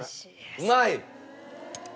うまい？